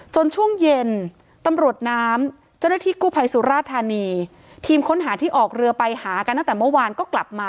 ช่วงเย็นตำรวจน้ำเจ้าหน้าที่กู้ภัยสุราธานีทีมค้นหาที่ออกเรือไปหากันตั้งแต่เมื่อวานก็กลับมา